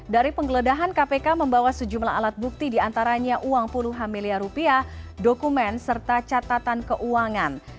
dari penggeledahan kpk membawa sejumlah alat bukti diantaranya uang puluhan miliar rupiah dokumen serta catatan keuangan